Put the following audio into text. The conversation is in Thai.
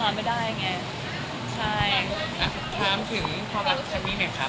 มาไม่ได้ไงใช่ถามถึงความรักของนี่แหละครับ